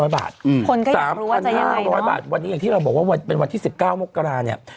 ๓๕๐๐บาทวันนี้อย่างที่เราบอกว่าเป็นวันที่๑๙มกราเนี่ย